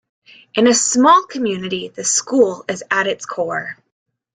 In a small community, the school is at its core.